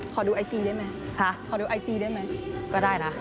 ขอดูไอจีได้มั้ยขอดูไอจีได้มั้ยก็ได้นะ